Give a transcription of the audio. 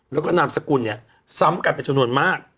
แล้วก็นามสกุลเนี่ยซ้ำกันเป็นจำนวนมาก